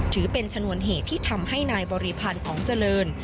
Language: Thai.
ถือเป็นชนวนเหตุที่ทำให้นายบริพันธ์ผองเจริญ